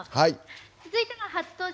続いての初登場＝